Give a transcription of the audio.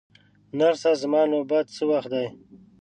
نرسه، زما نوبت څه وخت دی؟